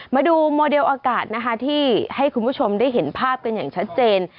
มาดูโมเดลอากาศนะคะที่ให้คุณผู้ชมได้เห็นภาพกันอย่างชัดเจน